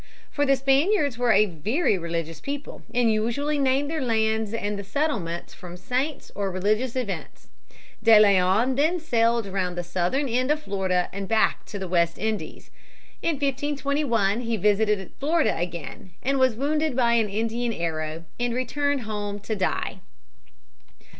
For the Spaniards were a very religious people and usually named their lands and settlements from saints or religious events. De Leon then sailed around the southern end of Florida and back to the West Indies. In 1521 he again visited Florida, was wounded by an Indian arrow, and returned home to die.